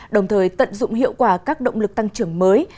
đồng thời tận dụng hiệu quả các động lực tăng trưởng mới